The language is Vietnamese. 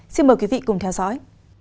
xin mời quý vị cùng theo dõi